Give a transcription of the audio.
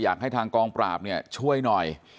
อยากให้ทางกองปราบเนี่ยช่วยหน่อย